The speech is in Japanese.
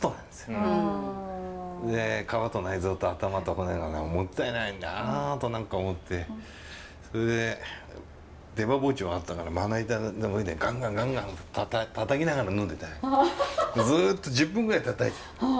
で皮と内臓と頭と骨もったいないなと何か思ってそれで出刃包丁あったからまな板の上でガンガンガンガンたたきながら呑んでてずっと１０分ぐらいたたいてた。